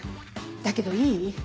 だけどいい？